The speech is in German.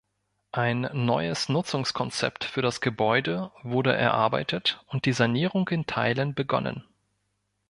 Ein neues Nutzungskonzept für das Gebäude wurde erarbeitet und die Sanierung in Teilen begonnen.